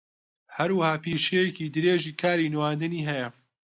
ھەروەھا پیشەیەکی درێژی کاری نواندنی ھەیە